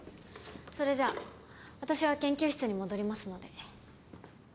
それじゃあ私は研究室に戻りますので。